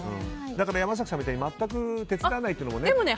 山崎さんみたいに全く手伝わないというのもね。